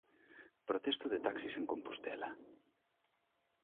Protesto de taxis en Compostela.